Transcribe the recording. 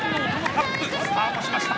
カップスタートしました。